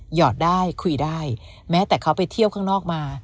หอดได้คุยได้แม้แต่เขาไปเที่ยวข้างนอกมา